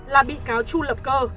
là bị cáo chu lập cơ